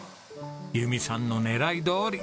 由美さんの狙いどおり。